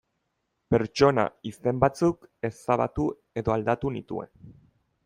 Pertsona izen batzuk ezabatu edo aldatu nituen.